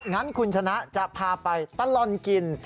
งั้นคุณชนะจะพาไปตลอดกิน